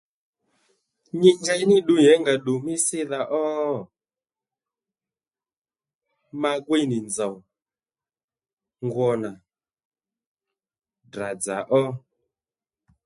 Nyi njey ní ddu yěngà ddu mí sídha ó magwí nì nzòw ngwo nà Ddrà dzà ó